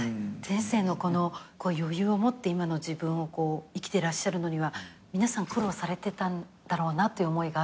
先生の余裕を持って今の自分を生きてらっしゃるのには皆さん苦労されてたんだろうなという思いがあるんですけど。